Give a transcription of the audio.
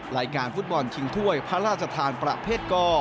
รายงานฟุตบอลชิงถ้วยพระราชทานประเภทก